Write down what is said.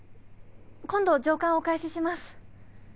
今度上巻お返しします。